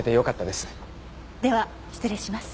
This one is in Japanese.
では失礼します。